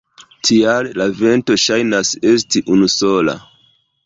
Tial la vento ŝajnas esti unusola.